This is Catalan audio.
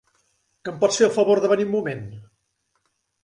Que em pots fer el favor de venir un moment?